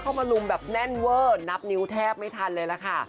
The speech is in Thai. มาลุมแบบแน่นเวอร์นับนิ้วแทบไม่ทันเลยล่ะค่ะ